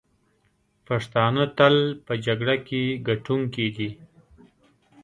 پښتانه تل په جګړه کې ګټونکي دي.